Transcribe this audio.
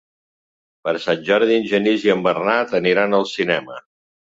Per Sant Jordi en Genís i en Bernat aniran al cinema.